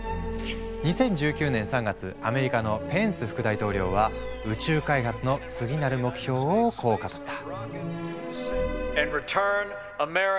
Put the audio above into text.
２０１９年３月アメリカのペンス副大統領は宇宙開発の次なる目標をこう語った。